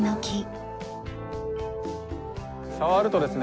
触るとですね